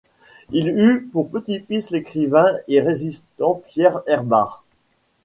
Il eut pour petit-fils l'écrivain et résistant Pierre Herbart.